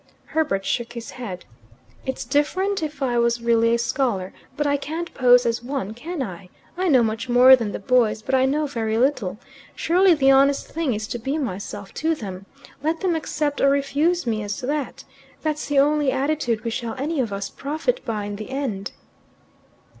Herbert shook his head. "It's different if I was really a scholar. But I can't pose as one, can I? I know much more than the boys, but I know very little. Surely the honest thing is to be myself to them. Let them accept or refuse me as that. That's the only attitude we shall any of us profit by in the end."